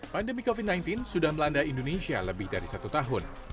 pandemi covid sembilan belas sudah melanda indonesia lebih dari satu tahun